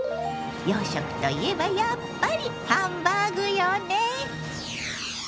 洋食といえばやっぱりハンバーグよね。